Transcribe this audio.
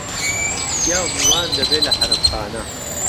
پیاو میوان دهبێ له حەرەمخانه